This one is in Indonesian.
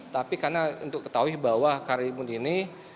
tapi karena untuk ketahui bahwa karimun ini